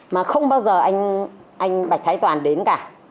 mà không bao giờ anh bạch thái toàn đến cả